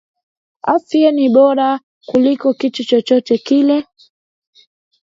Afya ni bora kuliko kitu chcochote kile